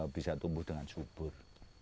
bisa tumbuh dengan subur